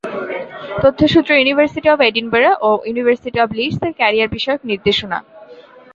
তথ্যসূত্র university of Edinburgh ও university of Leeds এর career বিষয়ক নির্দেশনা